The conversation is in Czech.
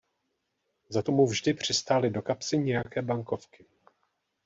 Za to mu vždy přistály do kapsy nějaké bankovky.